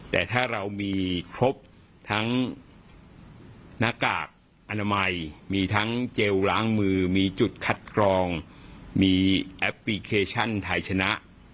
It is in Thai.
แต่ถ้าเรามีครบทั้งหน้ากากอนามัยมีทั้งเจลล้างมือมีจุดคัดกรองมีแอปพลิเคชันไทยชนะ